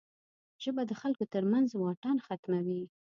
ژبه د خلکو ترمنځ واټن ختموي